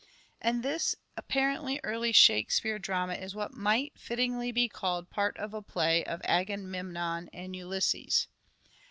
And this apparently early Shakespeare drama is what might fittingly be called part of a play of " Agamemnon and Ulysses."